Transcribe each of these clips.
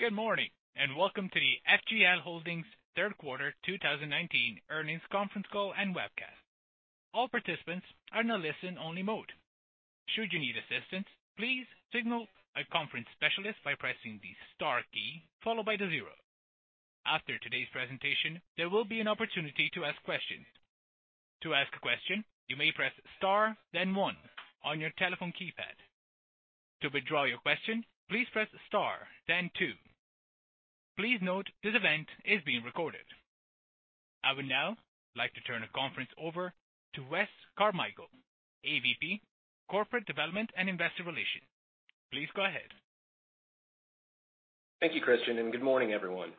Good morning, and welcome to the FGL Holdings third quarter 2019 earnings conference call and webcast. All participants are in a listen-only mode. Should you need assistance, please signal a conference specialist by pressing the star key followed by the zero. After today's presentation, there will be an opportunity to ask questions. To ask a question, you may press star, then one on your telephone keypad. To withdraw your question, please press star, then two. Please note this event is being recorded. I would now like to turn the conference over to Wes Carmichael, AVP, Corporate Development and Investor Relations. Please go ahead. Thank you, Christian, and good morning, everyone.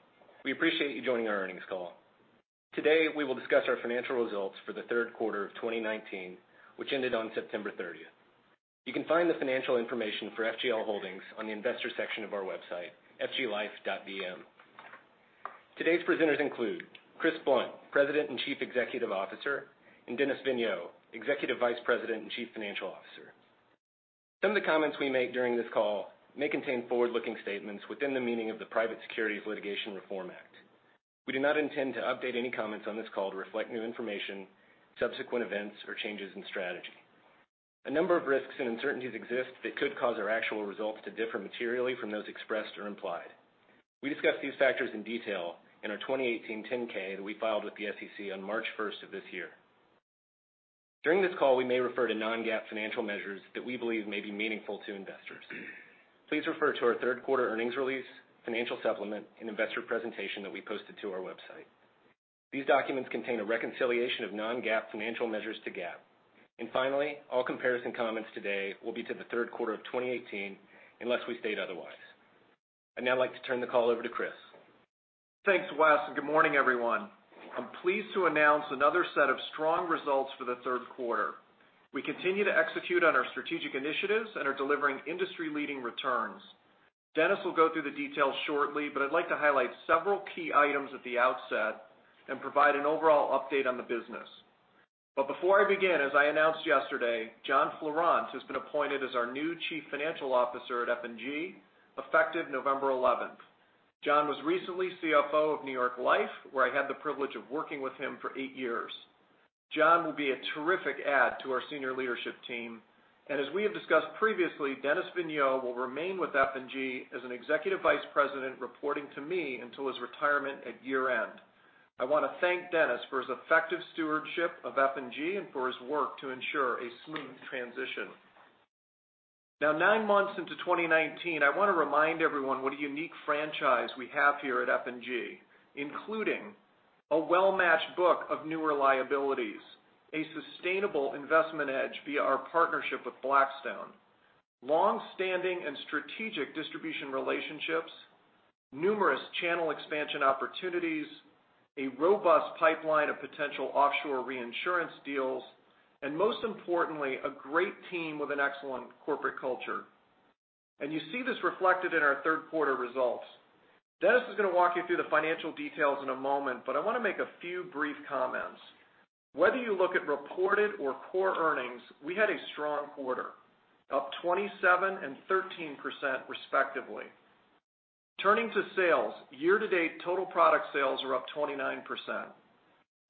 We appreciate you joining our earnings call. Today, we will discuss our financial results for the third quarter of 2019, which ended on September 30th. You can find the financial information for FGL Holdings on the investor section of our website, fglife.bm. Today's presenters include Chris Blunt, President and Chief Executive Officer, and Dennis Vigneau, Executive Vice President and Chief Financial Officer. Some of the comments we make during this call may contain forward-looking statements within the meaning of the Private Securities Litigation Reform Act. We do not intend to update any comments on this call to reflect new information, subsequent events, or changes in strategy. A number of risks and uncertainties exist that could cause our actual results to differ materially from those expressed or implied. We discuss these factors in detail in our 2018 10-K that we filed with the SEC on March 1st of this year. During this call, we may refer to non-GAAP financial measures that we believe may be meaningful to investors. Please refer to our third quarter earnings release, financial supplement, and investor presentation that we posted to our website. These documents contain a reconciliation of non-GAAP financial measures to GAAP. Finally, all comparison comments today will be to the third quarter of 2018, unless we state otherwise. I'd now like to turn the call over to Chris. Thanks, Wes, and good morning, everyone. I'm pleased to announce another set of strong results for the third quarter. We continue to execute on our strategic initiatives and are delivering industry-leading returns. Dennis will go through the details shortly, but I'd like to highlight several key items at the outset and provide an overall update on the business. Before I begin, as I announced yesterday, John Fleurant has been appointed as our new Chief Financial Officer at F&G effective November 11th. John was recently CFO of New York Life, where I had the privilege of working with him for eight years. John will be a terrific add to our senior leadership team. As we have discussed previously, Dennis Vigneau will remain with F&G as an Executive Vice President, reporting to me until his retirement at year-end. I want to thank Dennis for his effective stewardship of F&G and for his work to ensure a smooth transition. 9 months into 2019, I want to remind everyone what a unique franchise we have here at F&G, including a well-matched book of newer liabilities, a sustainable investment edge via our partnership with Blackstone, long-standing and strategic distribution relationships, numerous channel expansion opportunities, a robust pipeline of potential offshore reinsurance deals, and most importantly, a great team with an excellent corporate culture. You see this reflected in our third quarter results. Dennis is going to walk you through the financial details in a moment, but I want to make a few brief comments. Whether you look at reported or core earnings, we had a strong quarter, up 27% and 13%, respectively. Turning to sales, year-to-date total product sales are up 29%.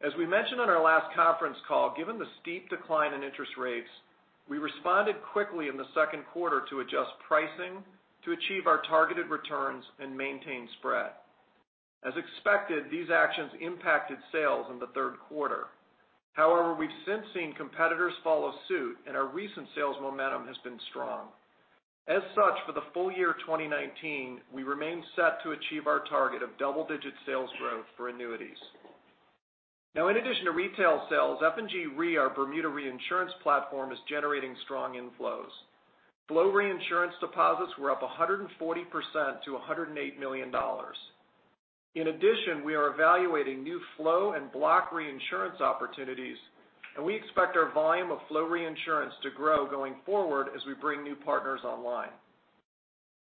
As we mentioned on our last conference call, given the steep decline in interest rates, we responded quickly in the second quarter to adjust pricing to achieve our targeted returns and maintain spread. As expected, these actions impacted sales in the third quarter. However, we've since seen competitors follow suit, and our recent sales momentum has been strong. As such, for the full year 2019, we remain set to achieve our target of double-digit sales growth for annuities. In addition to retail sales, F&G Re, our Bermuda reinsurance platform, is generating strong inflows. Flow reinsurance deposits were up 140% to $108 million. In addition, we are evaluating new flow and block reinsurance opportunities, and we expect our volume of flow reinsurance to grow going forward as we bring new partners online.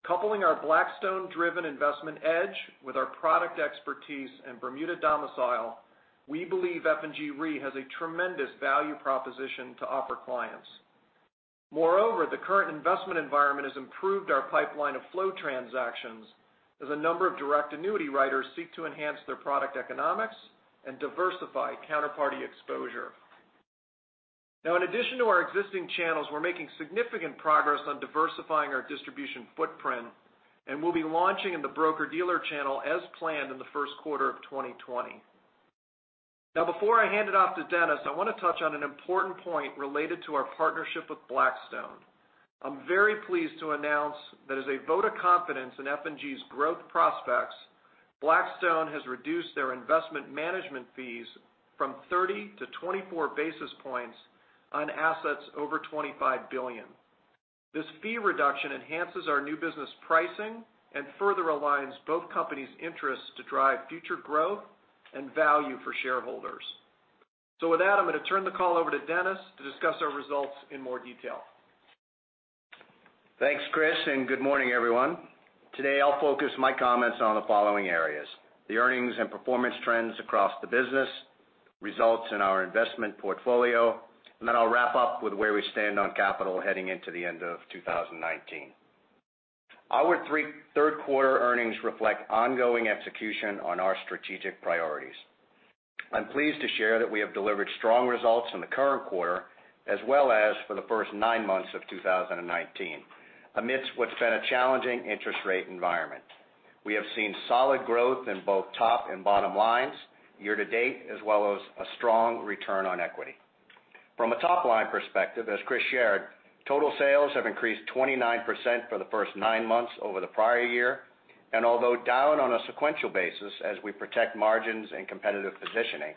Coupling our Blackstone-driven investment edge with our product expertise and Bermuda domicile, we believe F&G Re has a tremendous value proposition to offer clients. Moreover, the current investment environment has improved our pipeline of flow transactions as a number of direct annuity writers seek to enhance their product economics and diversify counterparty exposure. In addition to our existing channels, we're making significant progress on diversifying our distribution footprint, and we'll be launching in the broker-dealer channel as planned in the first quarter of 2020. Before I hand it off to Dennis, I want to touch on an important point related to our partnership with Blackstone. I'm very pleased to announce that as a vote of confidence in F&G's growth prospects, Blackstone has reduced their investment management fees from 30 to 24 basis points on assets over $25 billion. This fee reduction enhances our new business pricing and further aligns both companies' interests to drive future growth and value for shareholders. With that, I'm going to turn the call over to Dennis to discuss our results in more detail. Thanks, Chris. Good morning, everyone. Today, I'll focus my comments on the following areas: the earnings and performance trends across the business Results in our investment portfolio. Then I'll wrap up with where we stand on capital heading into the end of 2019. Our third quarter earnings reflect ongoing execution on our strategic priorities. I'm pleased to share that we have delivered strong results in the current quarter, as well as for the first nine months of 2019, amidst what's been a challenging interest rate environment. We have seen solid growth in both top and bottom lines year-to-date, as well as a strong return on equity. From a top-line perspective, as Chris shared, total sales have increased 29% for the first nine months over the prior year. Although down on a sequential basis as we protect margins and competitive positioning,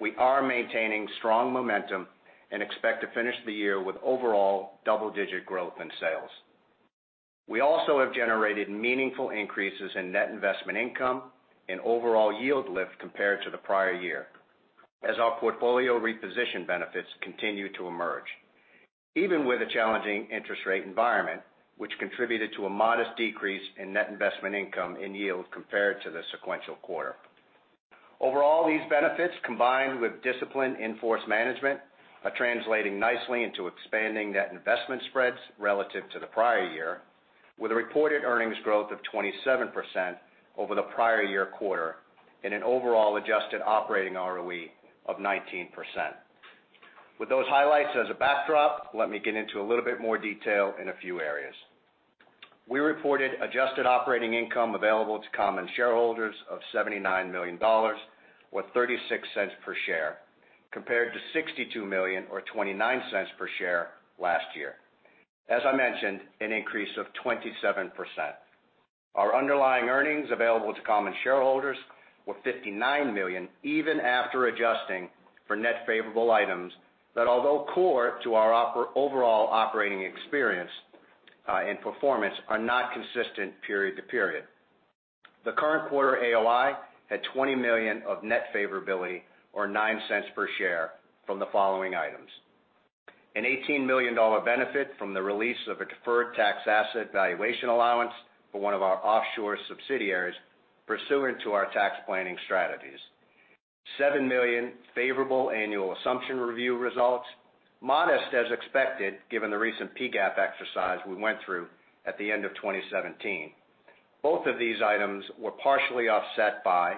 we are maintaining strong momentum and expect to finish the year with overall double-digit growth in sales. We also have generated meaningful increases in net investment income and overall yield lift compared to the prior year as our portfolio reposition benefits continue to emerge. Even with a challenging interest rate environment, which contributed to a modest decrease in net investment income in yield compared to the sequential quarter. Overall, these benefits, combined with disciplined in-force management, are translating nicely into expanding net investment spreads relative to the prior year, with a reported earnings growth of 27% over the prior year quarter and an overall adjusted operating ROE of 19%. With those highlights as a backdrop, let me get into a little bit more detail in a few areas. We reported adjusted operating income available to common shareholders of $79 million, with $0.36 per share, compared to $62 million or $0.29 per share last year. As I mentioned, an increase of 27%. Our underlying earnings available to common shareholders were $59 million, even after adjusting for net favorable items that although core to our overall operating experience and performance, are not consistent period to period. The current quarter AOI had $20 million of net favorability or $0.09 per share from the following items. An $18 million benefit from the release of a deferred tax asset valuation allowance for one of our offshore subsidiaries pursuant to our tax planning strategies. $7 million favorable annual assumption review results, modest as expected, given the recent PGAP exercise we went through at the end of 2017. Both of these items were partially offset by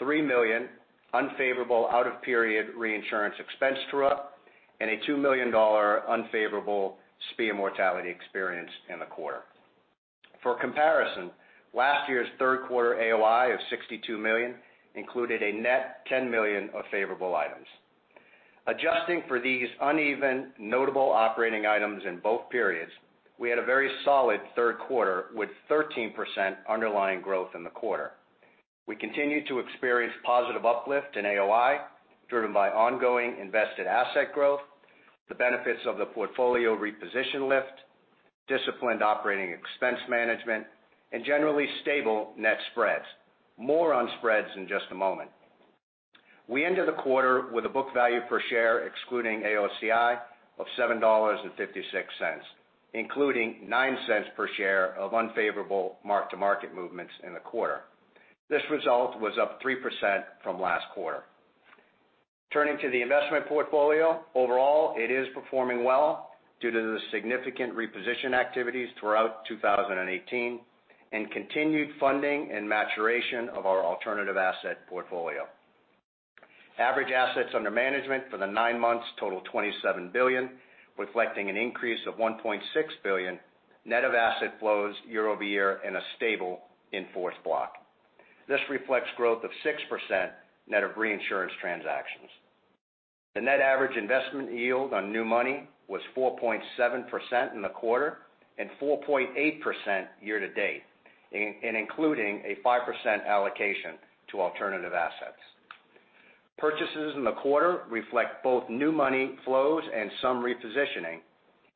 $3 million unfavorable out-of-period reinsurance expense true-up and a $2 million unfavorable SPIA mortality experience in the quarter. For comparison, last year's third quarter AOI of $62 million included a net $10 million of favorable items. Adjusting for these uneven notable operating items in both periods, we had a very solid third quarter with 13% underlying growth in the quarter. We continued to experience positive uplift in AOI, driven by ongoing invested asset growth, the benefits of the portfolio reposition lift, disciplined operating expense management, and generally stable net spreads. More on spreads in just a moment. We ended the quarter with a book value per share excluding AOCI of $7.56, including $0.09 per share of unfavorable mark-to-market movements in the quarter. This result was up 3% from last quarter. Turning to the investment portfolio. Overall, it is performing well due to the significant reposition activities throughout 2018 and continued funding and maturation of our alternative asset portfolio. Average assets under management for the nine months total $27 billion, reflecting an increase of $1.6 billion net of asset flows year-over-year in a stable in-force block. This reflects growth of 6% net of reinsurance transactions. The net average investment yield on new money was 4.7% in the quarter and 4.8% year to date, including a 5% allocation to alternative assets. Purchases in the quarter reflect both new money flows and some repositioning,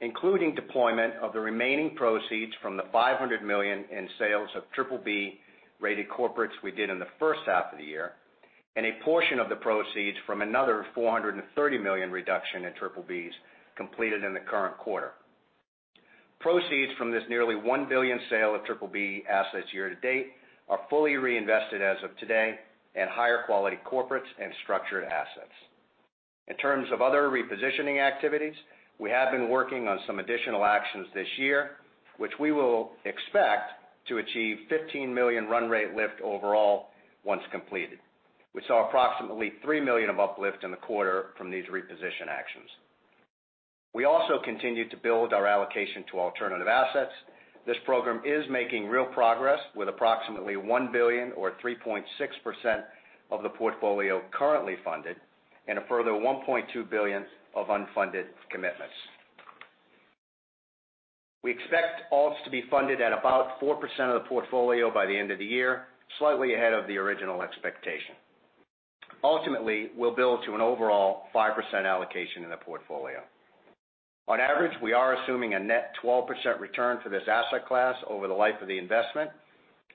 including deployment of the remaining proceeds from the $500 million in sales of BBB-rated corporates we did in the first half of the year, and a portion of the proceeds from another $430 million reduction in BBBs completed in the current quarter. Proceeds from this nearly $1 billion sale of BBB assets year to date are fully reinvested as of today at higher quality corporates and structured assets. In terms of other repositioning activities, we have been working on some additional actions this year, which we will expect to achieve $15 million run rate lift overall once completed. We saw approximately $3 million of uplift in the quarter from these reposition actions. We also continued to build our allocation to alternative assets. This program is making real progress with approximately $1 billion or 3.6% of the portfolio currently funded and a further $1.2 billion of unfunded commitments. We expect Alts to be funded at about 4% of the portfolio by the end of the year, slightly ahead of the original expectation. Ultimately, we'll build to an overall 5% allocation in the portfolio. On average, we are assuming a net 12% return for this asset class over the life of the investment.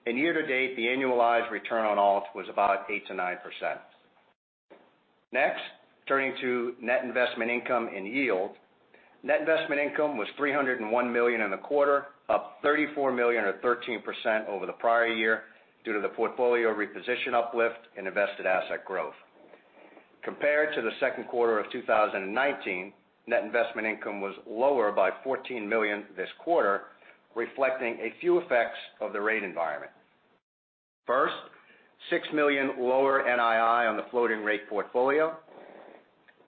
Year to date, the annualized return on Alt was about 8%-9%. Next, turning to net investment income and yield. Net investment income was $301 million in the quarter, up $34 million or 13% over the prior year due to the portfolio reposition uplift and invested asset growth. Compared to the second quarter of 2019, net investment income was lower by $14 million this quarter, reflecting a few effects of the rate environment. First, $6 million lower NII on the floating rate portfolio.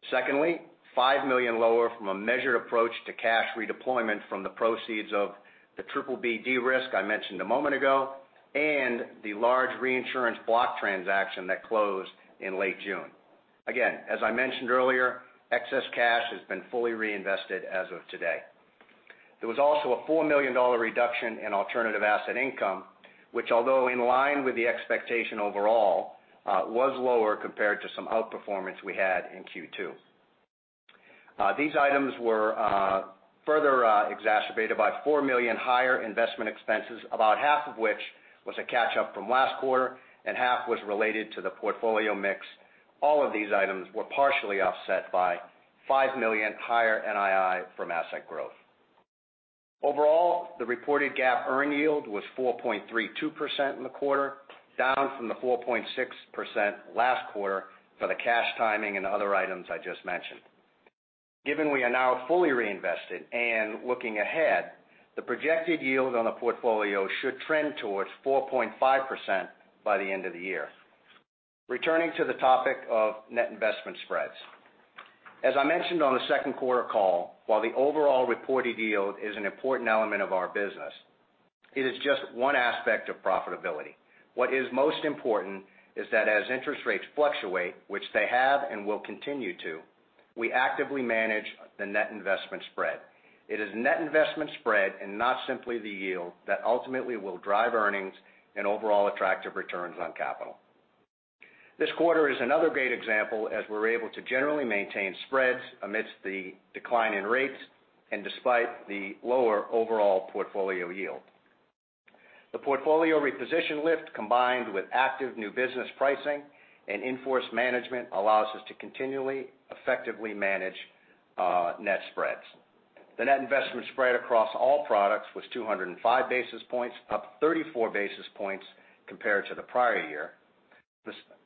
Secondly, $5 million lower from a measured approach to cash redeployment from the proceeds of the BBB de-risk I mentioned a moment ago, and the large reinsurance block transaction that closed in late June. Again, as I mentioned earlier, excess cash has been fully reinvested as of today. There was also a $4 million reduction in alternative asset income, which although in line with the expectation overall, was lower compared to some outperformance we had in Q2. These items were further exacerbated by $4 million higher investment expenses, about half of which was a catch-up from last quarter, and half was related to the portfolio mix. All of these items were partially offset by $5 million higher NII from asset growth. Overall, the reported GAAP earn yield was 4.32% in the quarter, down from the 4.6% last quarter for the cash timing and other items I just mentioned. Given we are now fully reinvested and looking ahead, the projected yield on the portfolio should trend towards 4.5% by the end of the year. Returning to the topic of net investment spreads. As I mentioned on the second quarter call, while the overall reported yield is an important element of our business, it is just one aspect of profitability. What is most important is that as interest rates fluctuate, which they have and will continue to, we actively manage the net investment spread. It is net investment spread, and not simply the yield, that ultimately will drive earnings and overall attractive returns on capital. This quarter is another great example, as we're able to generally maintain spreads amidst the decline in rates, and despite the lower overall portfolio yield. The portfolio reposition lift, combined with active new business pricing and in-force management allows us to continually, effectively manage net spreads. The net investment spread across all products was 205 basis points, up 34 basis points compared to the prior year.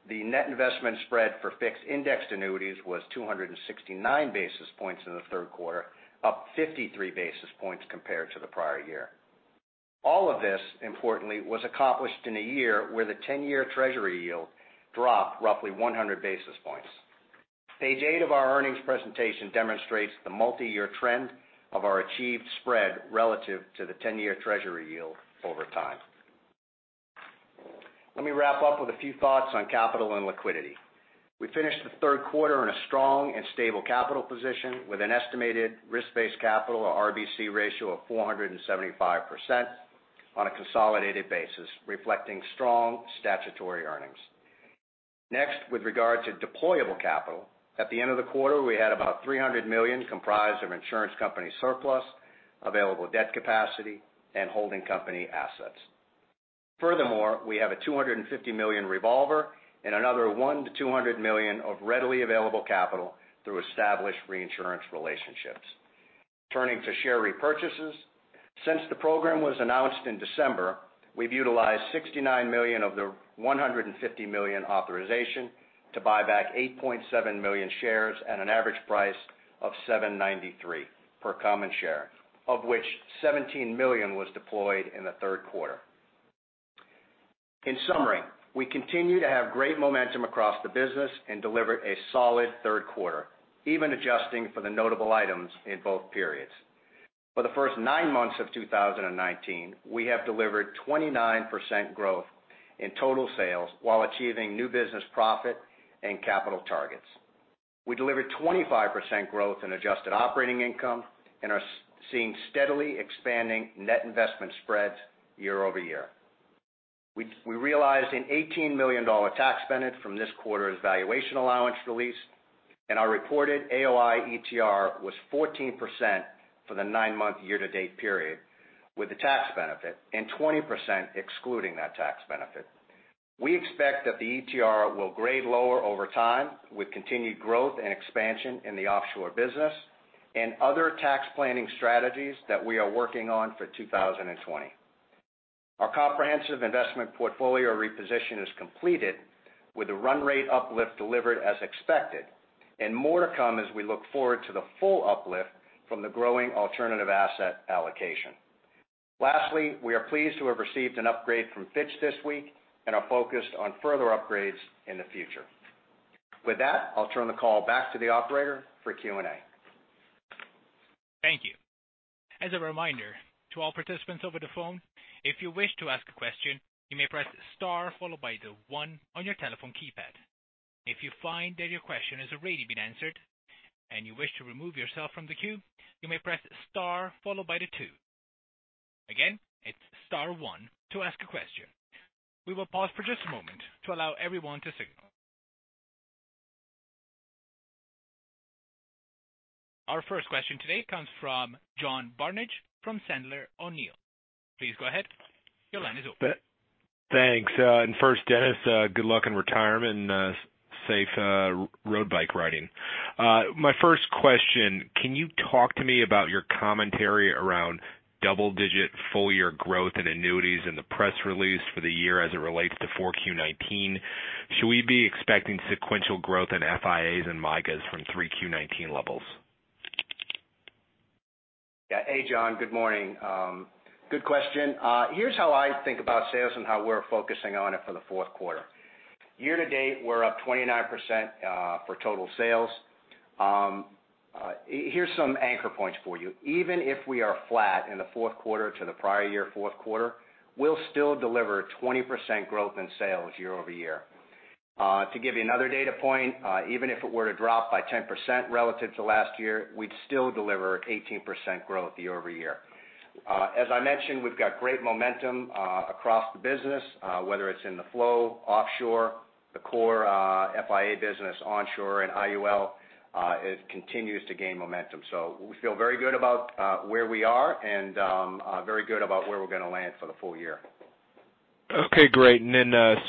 The net investment spread for Fixed Indexed Annuities was 269 basis points in the third quarter, up 53 basis points compared to the prior year. All of this, importantly, was accomplished in a year where the 10-year Treasury yield dropped roughly 100 basis points. Page eight of our earnings presentation demonstrates the multi-year trend of our achieved spread relative to the 10-year Treasury yield over time. Let me wrap up with a few thoughts on capital and liquidity. We finished the third quarter in a strong and stable capital position with an estimated risk-based capital, or RBC ratio, of 475% on a consolidated basis, reflecting strong statutory earnings. Next, with regard to deployable capital, at the end of the quarter, we had about $300 million comprised of insurance company surplus, available debt capacity, and holding company assets. Furthermore, we have a $250 million revolver, and another $100 million to $200 million of readily available capital through established reinsurance relationships. Turning to share repurchases. Since the program was announced in December, we've utilized $69 million of the $150 million authorization to buy back 8.7 million shares at an average price of $7.93 per common share, of which $17 million was deployed in the third quarter. In summary, we continue to have great momentum across the business and delivered a solid third quarter, even adjusting for the notable items in both periods. For the first nine months of 2019, we have delivered 29% growth in total sales while achieving new business profit and capital targets. We delivered 25% growth in adjusted operating income and are seeing steadily expanding net investment spreads year-over-year. We realized an $18 million tax benefit from this quarter's valuation allowance release, and our reported AOI ETR was 14% for the nine-month year-to-date period with the tax benefit, and 20% excluding that tax benefit. We expect that the ETR will grade lower over time with continued growth and expansion in the offshore business and other tax planning strategies that we are working on for 2020. Our comprehensive investment portfolio reposition is completed with the run rate uplift delivered as expected, and more to come as we look forward to the full uplift from the growing alternative asset allocation. Lastly, we are pleased to have received an upgrade from Fitch this week and are focused on further upgrades in the future. With that, I'll turn the call back to the operator for Q&A. Thank you. As a reminder to all participants over the phone, if you wish to ask a question, you may press star followed by the one on your telephone keypad. If you find that your question has already been answered and you wish to remove yourself from the queue, you may press star followed by the two. Again, it's star one to ask a question. We will pause for just a moment to allow everyone to signal. Our first question today comes from John Barnidge from Sandler O'Neill. Please go ahead. Your line is open. Thanks. First, Dennis, good luck in retirement and safe road bike riding. My first question, can you talk to me about your commentary around double-digit full-year growth and annuities in the press release for the year as it relates to 4Q19? Should we be expecting sequential growth in FIAs and MYGAs from 3Q19 levels? Yeah. Hey, John. Good morning. Good question. Here's how I think about sales and how we're focusing on it for the fourth quarter. Year-to-date, we're up 29% for total sales. Here's some anchor points for you. Even if we are flat in the fourth quarter to the prior year fourth quarter, we'll still deliver 20% growth in sales year-over-year. To give you another data point, even if it were to drop by 10% relative to last year, we'd still deliver 18% growth year-over-year. As I mentioned, we've got great momentum across the business, whether it's in the flow offshore, the core FIA business onshore and IUL, it continues to gain momentum. We feel very good about where we are and very good about where we're going to land for the full year. Okay, great.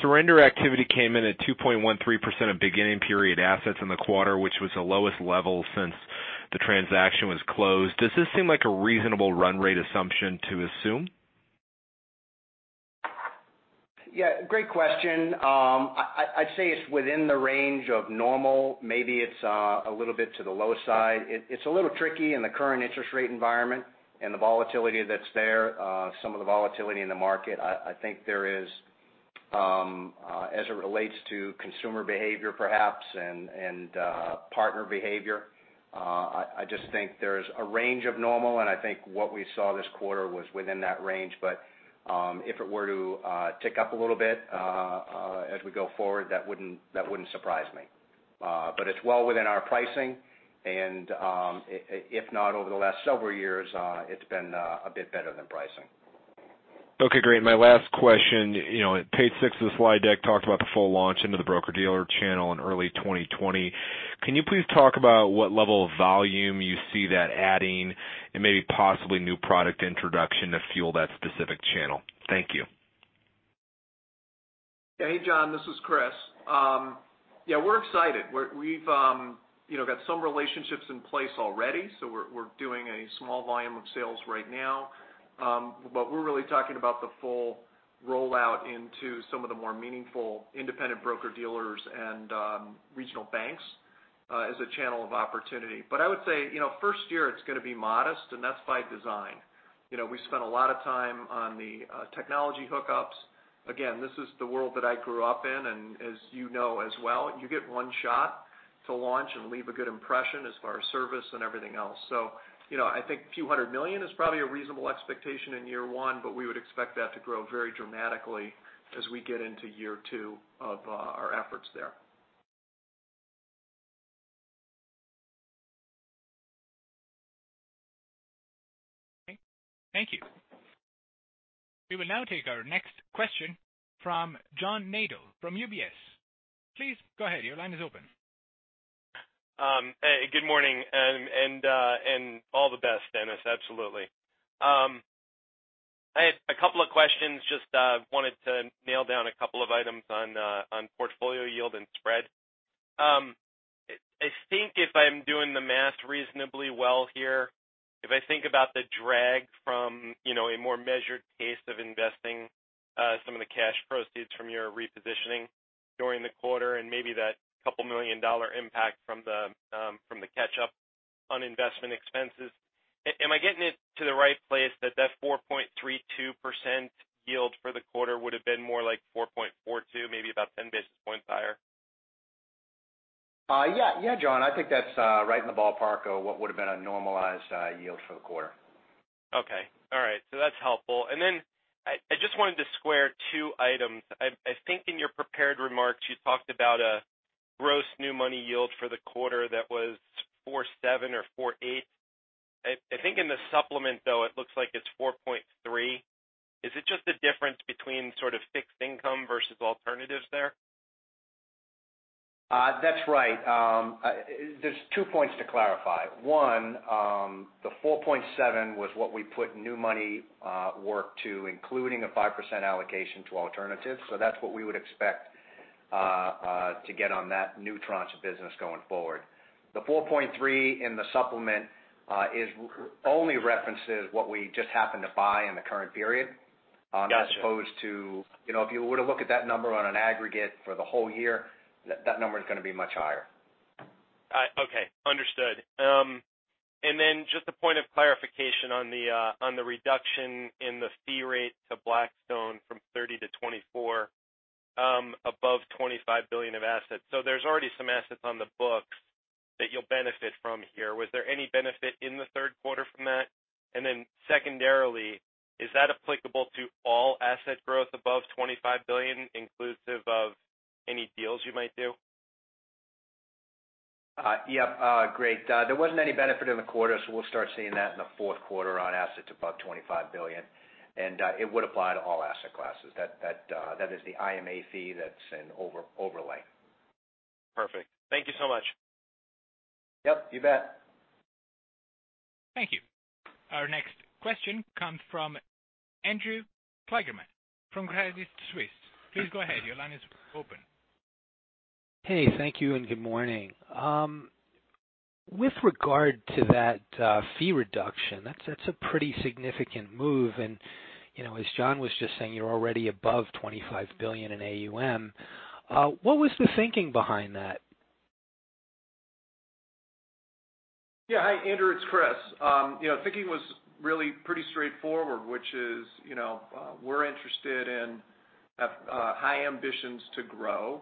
Surrender activity came in at 2.13% of beginning period assets in the quarter, which was the lowest level since the transaction was closed. Does this seem like a reasonable run rate assumption to assume? Yeah, great question. I'd say it's within the range of normal. Maybe it's a little bit to the low side. It's a little tricky in the current interest rate environment and the volatility that's there. Some of the volatility in the market, I think there is, as it relates to consumer behavior perhaps and partner behavior. I just think there's a range of normal and I think what we saw this quarter was within that range. If it were to tick up a little bit as we go forward, that wouldn't surprise me. It's well within our pricing and if not over the last several years, it's been a bit better than pricing. Okay, great. My last question. Page six of the slide deck talked about the full launch into the broker-dealer channel in early 2020. Can you please talk about what level of volume you see that adding and maybe possibly new product introduction to fuel that specific channel? Thank you. Hey, John, this is Chris. Yeah, we're excited. We've got some relationships in place already, so we're doing a small volume of sales right now. We're really talking about the full rollout into some of the more meaningful independent broker-dealers and regional banks as a channel of opportunity. I would say first year it's going to be modest, and that's by design. We spent a lot of time on the technology hookups. Again, this is the world that I grew up in, and as you know as well, you get one shot to launch and leave a good impression as far as service and everything else. I think a few hundred million is probably a reasonable expectation in year one, but we would expect that to grow very dramatically as we get into year two of our efforts there. Okay, thank you. We will now take our next question from John Nadel from UBS. Please go ahead. Your line is open. Good morning, and all the best, Dennis Vigneau. Absolutely. I had a couple of questions. Just wanted to nail down a couple of items on portfolio yield and spread. I think if I'm doing the math reasonably well here, if I think about the drag from a more measured pace of investing some of the cash proceeds from your repositioning during the quarter and maybe that couple million dollar impact from the catch up on investment expenses. Am I getting it to the right place that that 4.32% yield for the quarter would've been more like 4.42, maybe about 10 basis points higher? Yeah, John Nadel, I think that's right in the ballpark of what would've been a normalized yield for the quarter. Okay. All right. That's helpful. Then I just wanted to square two items. I think in your prepared remarks you talked about a gross new money yield for the quarter that was 4.7 or 4.8. I think in the supplement though, it looks like it's 4.3. Is it just a difference between sort of fixed income versus alternatives there? That's right. There's two points to clarify. One, the 4.7 was what we put new money work to, including a 5% allocation to alternatives. That's what we would expect to get on that new tranche of business going forward. The 4.3 in the supplement only references what we just happened to buy in the current period. Got you as opposed to if you were to look at that number on an aggregate for the whole year, that number is going to be much higher. Okay. Understood. Just a point of clarification on the reduction in the fee rate to Blackstone from 30 to 24 above $25 billion of assets. There's already some assets on the books that you'll benefit from here. Was there any benefit in the third quarter from that? Secondarily, is that applicable to all asset growth above $25 billion inclusive of any deals you might do? Yeah. Great. There wasn't any benefit in the quarter. We'll start seeing that in the fourth quarter on assets above $25 billion. It would apply to all asset classes. That is the IMA fee that's in overlay. Perfect. Thank you so much. Yep, you bet. Thank you. Our next question comes from Andrew Kligerman from Credit Suisse. Please go ahead. Your line is open. Hey, thank you, and good morning. With regard to that fee reduction, that's a pretty significant move. As John was just saying, you're already above $25 billion in AUM. What was the thinking behind that? Yeah. Hi, Andrew. It's Chris. Thinking was really pretty straightforward, which is we're interested in high ambitions to grow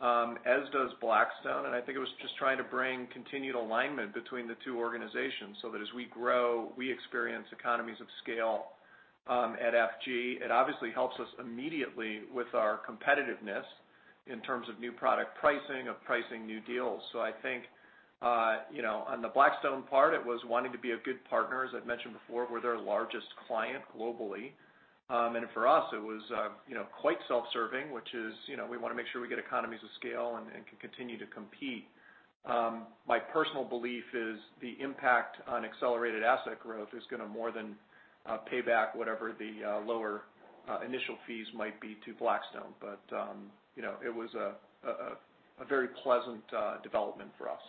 as does Blackstone. I think it was just trying to bring continued alignment between the two organizations so that as we grow, we experience economies of scale at F&G. It obviously helps us immediately with our competitiveness in terms of new product pricing, of pricing new deals. I think on the Blackstone part, it was wanting to be a good partner. As I've mentioned before, we're their largest client globally. For us, it was quite self-serving, which is we want to make sure we get economies of scale and can continue to compete. My personal belief is the impact on accelerated asset growth is going to more than pay back whatever the lower initial fees might be to Blackstone. It was a very pleasant development for us.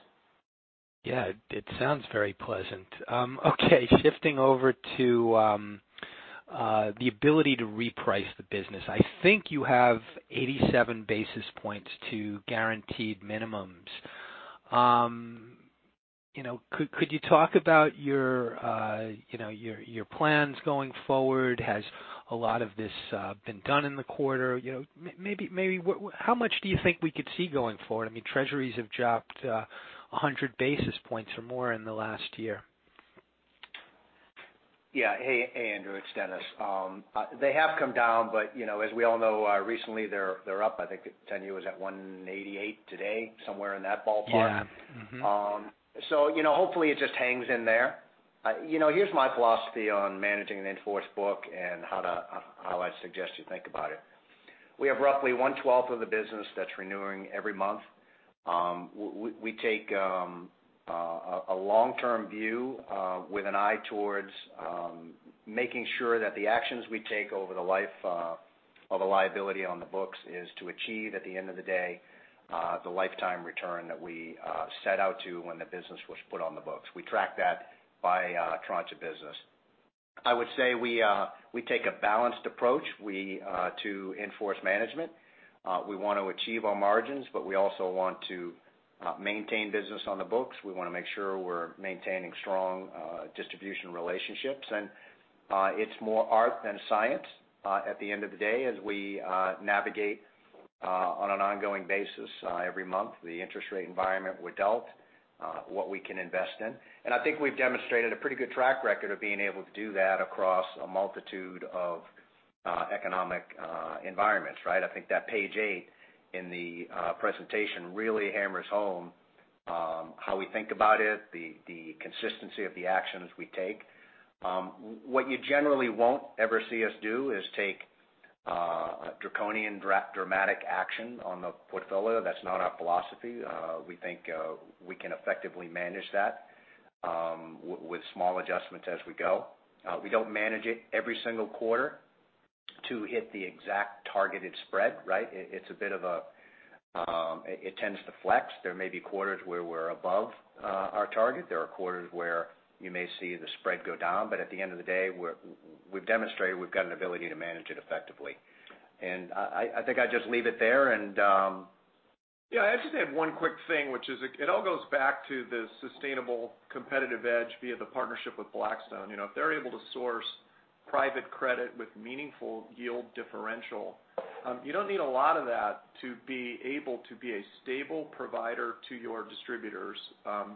Yeah. It sounds very pleasant. Okay, shifting over to the ability to reprice the business. I think you have 87 basis points to guaranteed minimums. Could you talk about your plans going forward? Has a lot of this been done in the quarter? Maybe how much do you think we could see going forward? Treasuries have dropped 100 basis points or more in the last year. Yeah. Hey, Andrew. It's Dennis. They have come down, but as we all know, recently they're up. I think the 10-year Treasury was at 188 today, somewhere in that ballpark. Yeah. Mm-hmm. Hopefully it just hangs in there. Here's my philosophy on managing an in-force book and how I suggest you think about it. We have roughly one twelfth of the business that's renewing every month. We take a long-term view with an eye towards making sure that the actions we take over the life of a liability on the books is to achieve, at the end of the day, the lifetime return that we set out to when the business was put on the books. We track that by tranche of business. I would say we take a balanced approach to in-force management. We want to achieve our margins, but we also want to maintain business on the books. We want to make sure we're maintaining strong distribution relationships. It's more art than science at the end of the day as we navigate on an ongoing basis every month the interest rate environment we're dealt, what we can invest in. I think we've demonstrated a pretty good track record of being able to do that across a multitude of economic environments, right? I think that page eight in the presentation really hammers home how we think about it, the consistency of the actions we take. What you generally won't ever see us do is take a draconian dramatic action on the portfolio. That's not our philosophy. We think we can effectively manage that with small adjustments as we go. We don't manage it every single quarter to hit the exact targeted spread. It tends to flex. There may be quarters where we're above our target. There are quarters where you may see the spread go down. At the end of the day, we've demonstrated we've got an ability to manage it effectively. I think I'd just leave it there. Yeah, I just have one quick thing, which is it all goes back to the sustainable competitive edge via the partnership with Blackstone. If they're able to source private credit with meaningful yield differential, you don't need a lot of that to be able to be a stable provider to your distributors,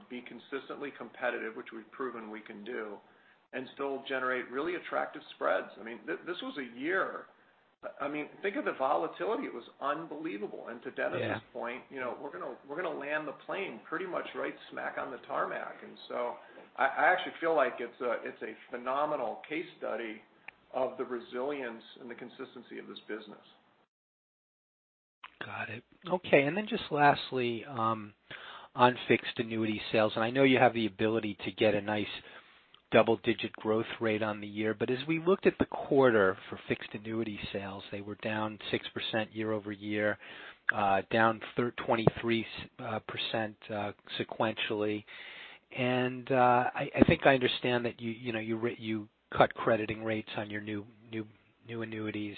be consistently competitive, which we've proven we can do, and still generate really attractive spreads. This was a year. Think of the volatility. It was unbelievable. And to Dennis' point. Yeah We're going to land the plane pretty much right smack on the tarmac. I actually feel like it's a phenomenal case study of the resilience and the consistency of this business. Got it. Lastly on fixed annuity sales, I know you have the ability to get a nice double-digit growth rate on the year. But as we looked at the quarter for fixed annuity sales, they were down 6% year-over-year, down 23% sequentially. I think I understand that you cut crediting rates on your new annuities.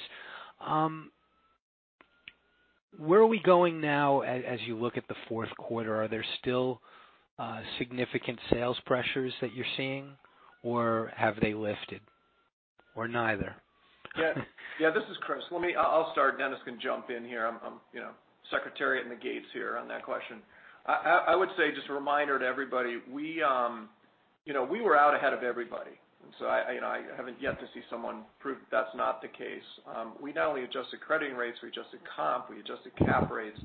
Where are we going now as you look at the fourth quarter? Are there still significant sales pressures that you're seeing, or have they lifted, or neither? Yeah. This is Chris. I'll start. Dennis can jump in here. I'm Secretariat in the gates here on that question. I would say, just a reminder to everybody, we were out ahead of everybody. I haven't yet to see someone prove that's not the case. We not only adjusted crediting rates, we adjusted comp, we adjusted cap rates.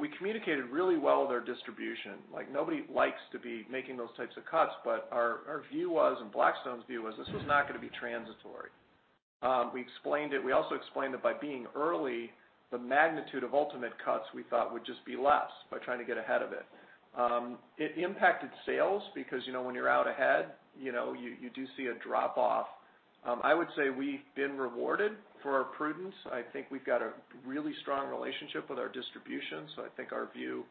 We communicated really well with our distribution. Nobody likes to be making those types of cuts, but our view was, and Blackstone's view was this was not going to be transitory. We explained it. We also explained that by being early, the magnitude of ultimate cuts, we thought, would just be less by trying to get ahead of it. It impacted sales because when you're out ahead, you do see a drop-off. I would say we've been rewarded for our prudence. I think we've got a really strong relationship with our distribution, I think our view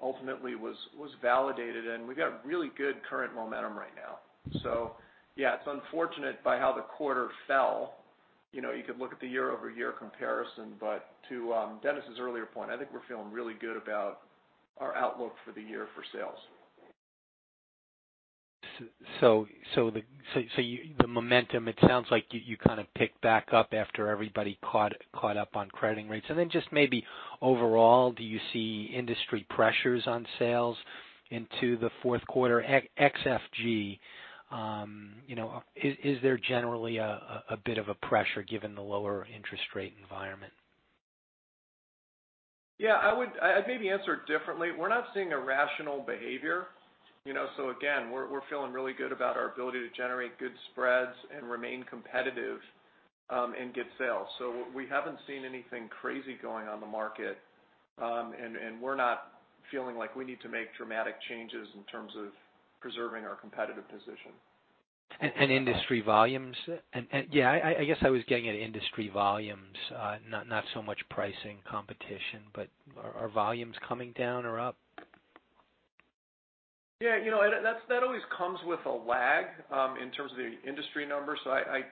ultimately was validated, and we've got really good current momentum right now. Yeah, it's unfortunate by how the quarter fell. You could look at the year-over-year comparison, but to Dennis' earlier point, I think we're feeling really good about our outlook for the year for sales. The momentum, it sounds like you kind of picked back up after everybody caught up on crediting rates. Just maybe overall, do you see industry pressures on sales into the fourth quarter at F&G? Is there generally a bit of a pressure given the lower interest rate environment? Yeah, I'd maybe answer it differently. We're not seeing irrational behavior. Again, we're feeling really good about our ability to generate good spreads and remain competitive and get sales. We haven't seen anything crazy going on the market, and we're not feeling like we need to make dramatic changes in terms of preserving our competitive position. Industry volumes? I guess I was getting at industry volumes, not so much pricing competition, but are volumes coming down or up? That always comes with a lag in terms of the industry numbers.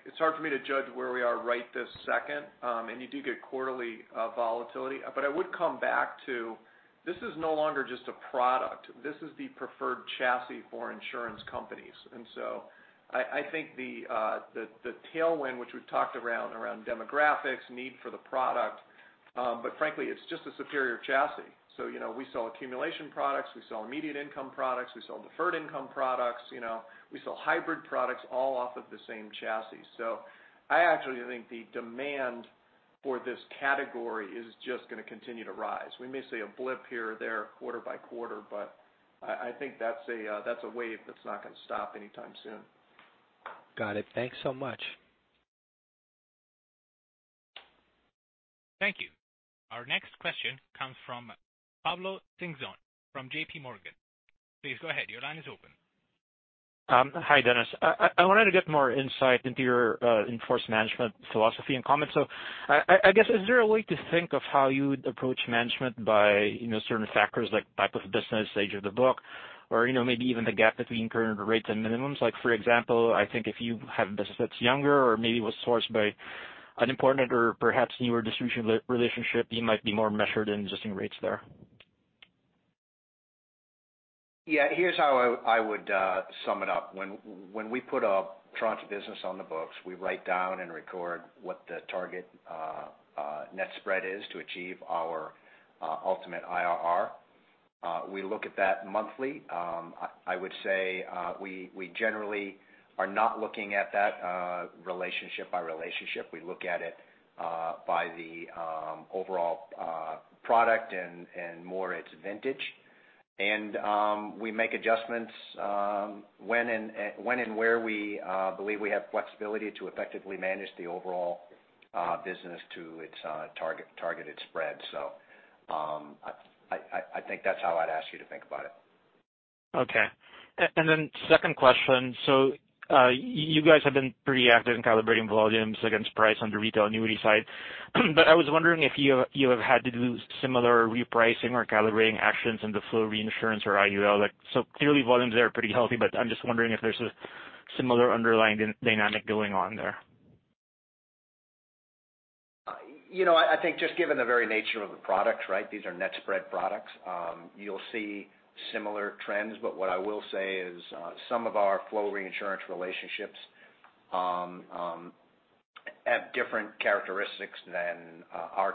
It's hard for me to judge where we are right this second, and you do get quarterly volatility. I would come back to, this is no longer just a product. This is the preferred chassis for insurance companies. I think the tailwind, which we've talked around demographics, need for the product, but frankly, it's just a superior chassis. We sell accumulation products, we sell immediate income products, we sell deferred income products. We sell hybrid products all off of the same chassis. I actually think the demand for this category is just going to continue to rise. We may see a blip here or there quarter by quarter, but I think that's a wave that's not going to stop anytime soon. Got it. Thanks so much. Thank you. Our next question comes from Pablo Singzon from JP Morgan. Please go ahead. Your line is open. Hi, Dennis. I wanted to get more insight into your in-force management philosophy and comments. I guess, is there a way to think of how you would approach management by certain factors like type of business, age of the book, or maybe even the gap between current rates and minimums? Like for example, I think if you have a business that's younger or maybe was sourced by an important or perhaps newer distribution relationship, you might be more measured in adjusting rates there. Here's how I would sum it up. When we put a tranche of business on the books, we write down and record what the target net spread is to achieve our ultimate IRR. We look at that monthly. I would say we generally are not looking at that relationship by relationship. We look at it by the overall product and more its vintage. We make adjustments when and where we believe we have flexibility to effectively manage the overall business to its targeted spread. I think that's how I'd ask you to think about it. Second question, you guys have been pretty active in calibrating volumes against price on the retail annuity side. I was wondering if you have had to do similar repricing or calibrating actions in the flow reinsurance or IUL. Clearly volumes there are pretty healthy, but I'm just wondering if there's a similar underlying dynamic going on there. I think just given the very nature of the products, these are net spread products, you'll see similar trends. What I will say is some of our flow reinsurance relationships have different characteristics than our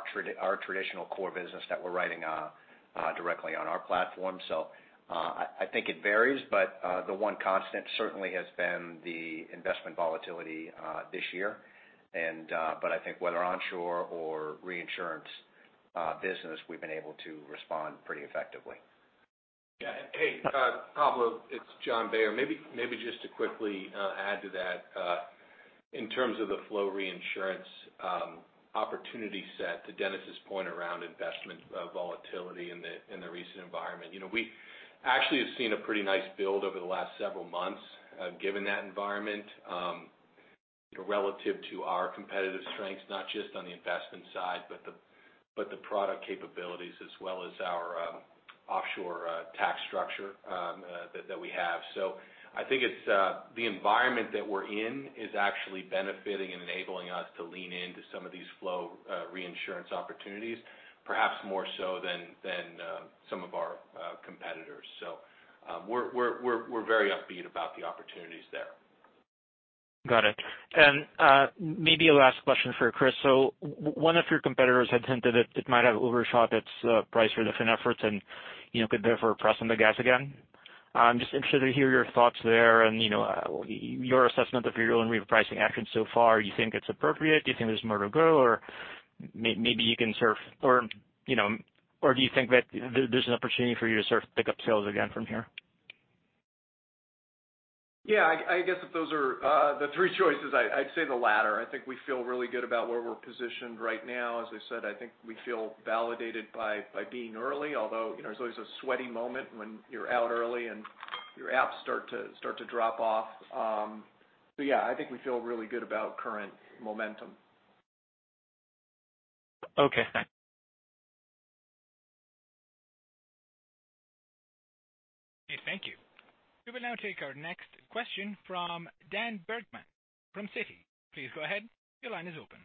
traditional core business that we're writing directly on our platform. I think it varies, but the one constant certainly has been the investment volatility this year. I think whether onshore or reinsurance business, we've been able to respond pretty effectively. Hey, Pablo, it's Jon Bayer. Maybe just to quickly add to that, in terms of the flow reinsurance opportunity set to Dennis' point around investment volatility in the recent environment. We actually have seen a pretty nice build over the last several months given that environment, relative to our competitive strengths, not just on the investment side, but the product capabilities as well as our offshore tax structure that we have. I think it's the environment that we're in is actually benefiting and enabling us to lean into some of these flow reinsurance opportunities, perhaps more so than some of our competitors. We're very upbeat about the opportunities there. Got it. Maybe a last question for Chris. One of your competitors had hinted that it might have overshot its price relief efforts and could therefore press on the gas again. I'm just interested to hear your thoughts there and your assessment of your own repricing actions so far. You think it's appropriate? Do you think there's more to go? Or do you think that there's an opportunity for you to sort of pick up sales again from here? Yeah, I guess if those are the three choices, I'd say the latter. I think we feel really good about where we're positioned right now. As I said, I think we feel validated by being early, although, there's always a sweaty moment when you're out early and your apps start to drop off. Yeah, I think we feel really good about current momentum. Okay, thanks. Okay, thank you. We will now take our next question from Dan Bergman from Citi. Please go ahead. Your line is open.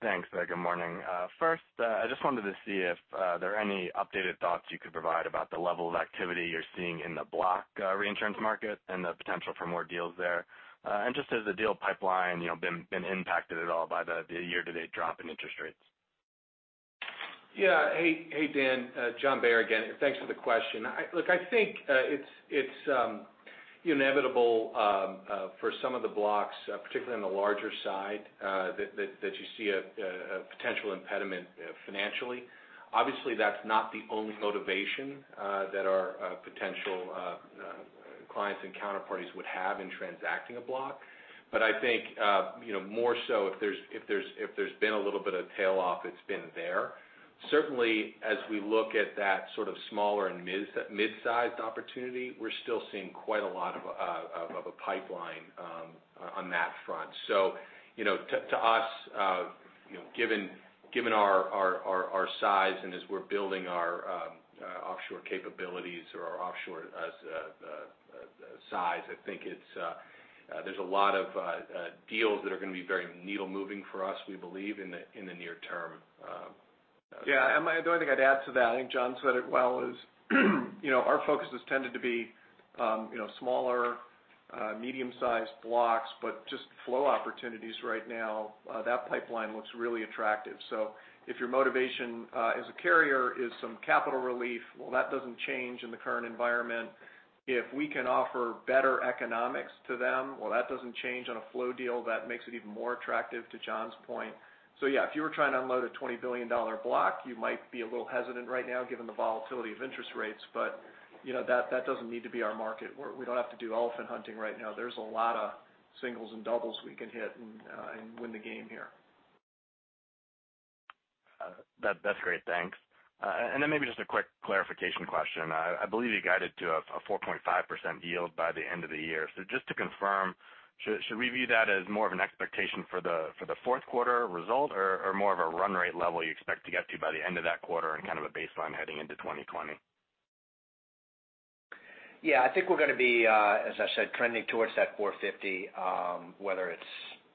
Thanks. Good morning. First, I just wanted to see if there are any updated thoughts you could provide about the level of activity you're seeing in the block reinsurance market and the potential for more deals there. Just has the deal pipeline been impacted at all by the year-to-date drop in interest rates? Yeah. Hey, Dan. Jonathan Bayer again. Thanks for the question. Look, I think it's inevitable for some of the blocks, particularly on the larger side, that you see a potential impediment financially. Obviously, that's not the only motivation that our potential clients and counterparties would have in transacting a block. I think more so if there's been a little bit of tail off, it's been there. Certainly, as we look at that sort of smaller and mid-sized opportunity, we're still seeing quite a lot of a pipeline on that front. To us, given our size and as we're building our offshore capabilities or our offshore size, I think there's a lot of deals that are going to be very needle-moving for us, we believe, in the near term. Yeah. The only thing I'd add to that, I think John said it well, is our focus has tended to be smaller, medium-sized blocks, but just flow opportunities right now, that pipeline looks really attractive. If your motivation as a carrier is some capital relief, well, that doesn't change in the current environment. If we can offer better economics to them, well, that doesn't change on a flow deal. That makes it even more attractive to John's point. Yeah, if you were trying to unload a $20 billion block, you might be a little hesitant right now given the volatility of interest rates. That doesn't need to be our market. We don't have to do elephant hunting right now. There's a lot of singles and doubles we can hit and win the game here. That's great. Thanks. Then maybe just a quick clarification question. I believe you guided to a 4.5% yield by the end of the year. Just to confirm, should we view that as more of an expectation for the fourth quarter result or more of a run rate level you expect to get to by the end of that quarter and kind of a baseline heading into 2020? I think we're going to be, as I said, trending towards that 450, whether it's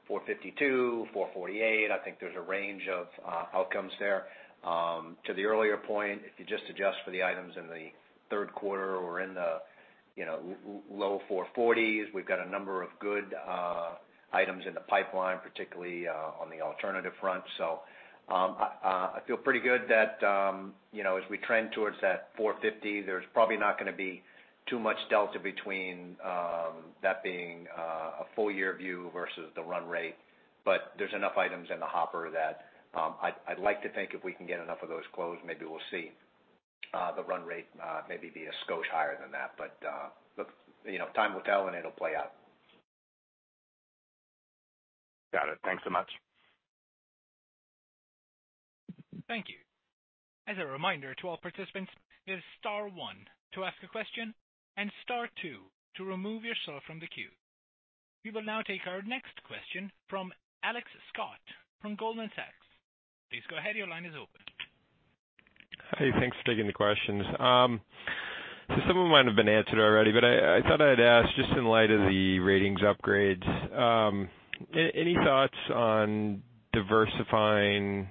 452, 448, I think there's a range of outcomes there. To the earlier point, if you just adjust for the items in the third quarter or in the low 440s, we've got a number of good items in the pipeline, particularly on the alternative front. I feel pretty good that as we trend towards that 450, there's probably not going to be too much delta between that being a full year view versus the run rate. There's enough items in the hopper that I'd like to think if we can get enough of those closed, maybe we'll see the run rate maybe be a skosh higher than that. Time will tell, and it'll play out. Got it. Thanks so much. Thank you. As a reminder to all participants, it is star 1 to ask a question and star 2 to remove yourself from the queue. We will now take our next question from Alex Scott from Goldman Sachs. Please go ahead. Your line is open. Thanks for taking the questions. Some of them might have been answered already, I thought I'd ask just in light of the ratings upgrades. Any thoughts on diversifying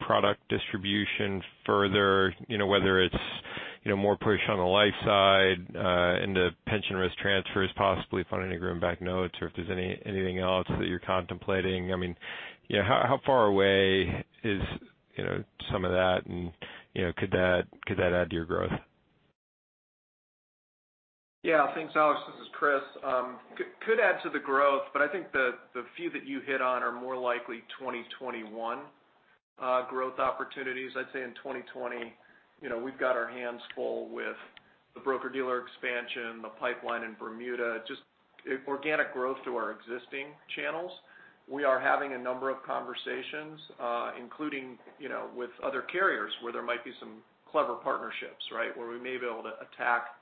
product distribution further? Whether it's more push on the life side into pension risk transfers, possibly funding agreement-backed notes, or if there's anything else that you're contemplating. How far away is some of that, and could that add to your growth? Yeah. Thanks, Alex. This is Chris. I think the few that you hit on are more likely 2021 growth opportunities. I'd say in 2020, we've got our hands full with the broker-dealer expansion, the pipeline in Bermuda, just organic growth through our existing channels. We are having a number of conversations including with other carriers where there might be some clever partnerships, right? Where we may be able to attack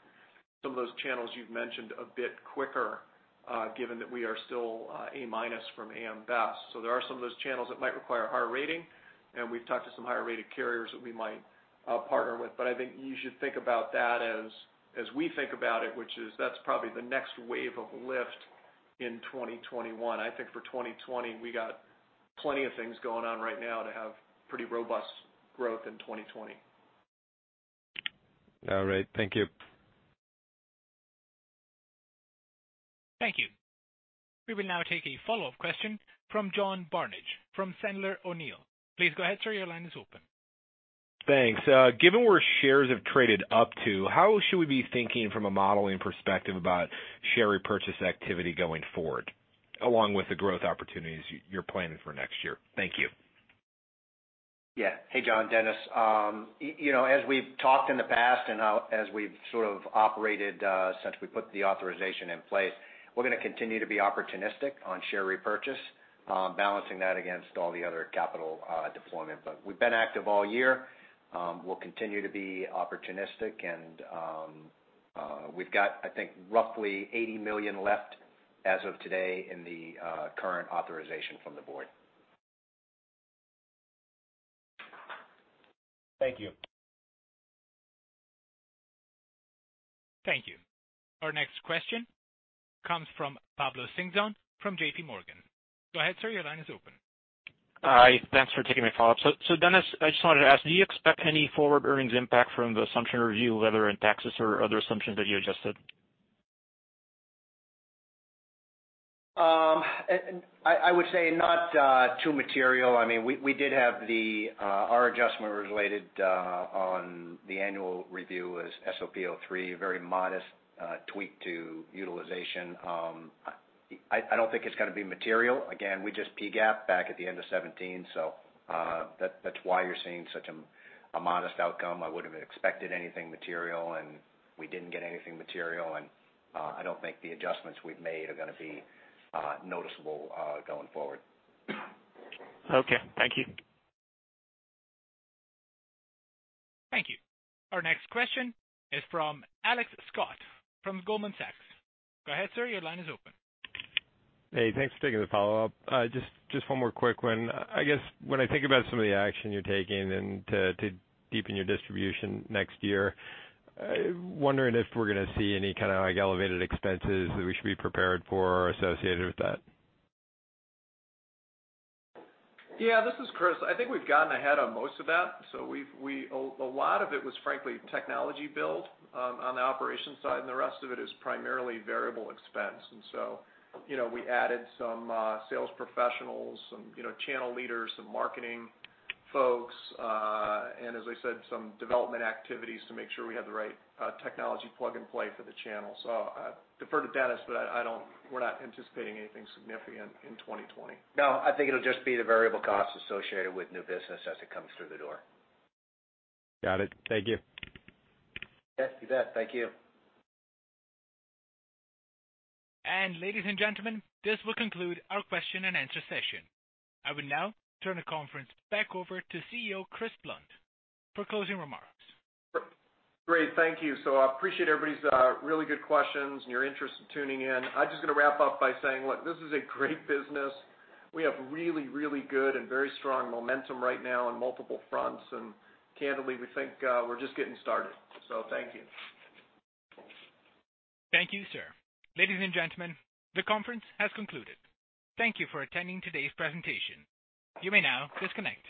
some of those channels you've mentioned a bit quicker given that we are still A-minus from AM Best. There are some of those channels that might require a higher rating, and we've talked to some higher-rated carriers that we might partner with. I think you should think about that as we think about it, which is that's probably the next wave of lift in 2021. I think for 2020, we got plenty of things going on right now to have pretty robust growth in 2020. All right. Thank you. Thank you. We will now take a follow-up question from John Barnidge from Sandler O'Neill. Please go ahead, sir. Your line is open. Thanks. Given where shares have traded up to, how should we be thinking from a modeling perspective about share repurchase activity going forward, along with the growth opportunities you're planning for next year? Thank you. Yeah. Hey, John, Dennis. As we've talked in the past and as we've sort of operated since we put the authorization in place, we're going to continue to be opportunistic on share repurchase, balancing that against all the other capital deployment. We've been active all year. We'll continue to be opportunistic and we've got, I think, roughly $80 million left as of today in the current authorization from the board. Thank you. Thank you. Our next question comes from Pablo Singzon from JP Morgan. Go ahead, sir, your line is open. Hi, thanks for taking my follow-up. Dennis, I just wanted to ask, do you expect any forward earnings impact from the assumption review, whether in taxes or other assumptions that you adjusted? I would say not too material. We did have our adjustment related on the annual review as SOP 03-1, a very modest tweak to utilization. I don't think it's going to be material. Again, we just PGAAP back at the end of 2017, so that's why you're seeing such a modest outcome. I would have expected anything material, and we didn't get anything material, and I don't think the adjustments we've made are going to be noticeable going forward. Okay, thank you. Thank you. Our next question is from Alex Scott from Goldman Sachs. Go ahead, sir, your line is open. Hey, thanks for taking the follow-up. Just one more quick one. I guess, when I think about some of the action you're taking and to deepen your distribution next year, wondering if we're going to see any kind of elevated expenses that we should be prepared for or associated with that. Yeah, this is Chris. I think we've gotten ahead on most of that. A lot of it was frankly technology build on the operations side, and the rest of it is primarily variable expense. We added some sales professionals, some channel leaders, some marketing folks, and as I said, some development activities to make sure we have the right technology plug and play for the channel. I defer to Dennis, but we're not anticipating anything significant in 2020. No, I think it'll just be the variable costs associated with new business as it comes through the door. Got it. Thank you. Yes, you bet. Thank you. Ladies and gentlemen, this will conclude our question and answer session. I will now turn the conference back over to CEO Chris Blunt for closing remarks. Great. Thank you. I appreciate everybody's really good questions and your interest in tuning in. I'm just going to wrap up by saying, look, this is a great business. We have really, really good and very strong momentum right now on multiple fronts, and candidly, we think we're just getting started. Thank you. Thank you, sir. Ladies and gentlemen, the conference has concluded. Thank you for attending today's presentation. You may now disconnect.